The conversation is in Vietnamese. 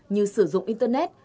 như sử dụng internet